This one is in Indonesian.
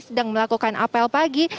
sedang melakukan apel pagi